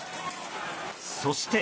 そして。